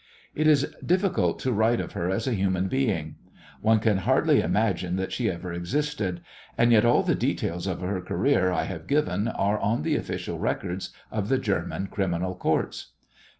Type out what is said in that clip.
It is difficult to write of her as a human being. One can hardly imagine that she ever existed, and yet all the details of her career I have given are on the official records of the German Criminal Courts.